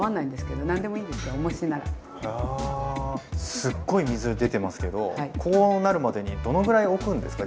すっごい水出てますけどこうなるまでにどのぐらいおくんですか